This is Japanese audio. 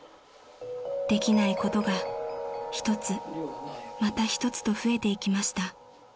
［できないことが一つまた一つと増えていきました］